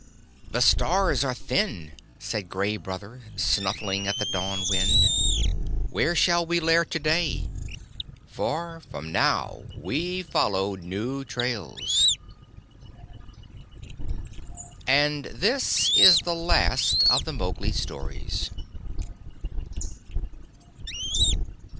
"The stars are thin," said Gray Brother, snuffing at the dawn wind. "Where shall we lair to day? For, from now, we follow new trails." And this is the last of the Mowgli stories.